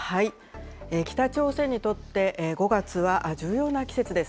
北朝鮮にとって５月は重要な季節です。